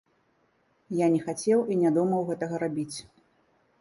Я не хацеў і не думаў гэтага рабіць.